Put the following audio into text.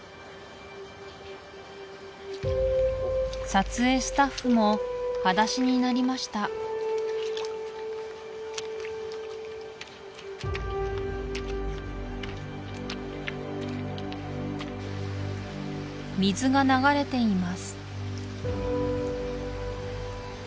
撮影スタッフも裸足になりました水が流れています